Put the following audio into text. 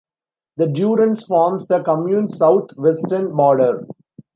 The Durance forms the commune's south-western border.